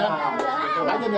angkat dulu ya